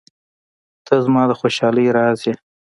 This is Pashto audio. • ته زما د خوشحالۍ راز یې.